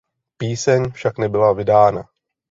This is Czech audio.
Píseň však nebyla vydána.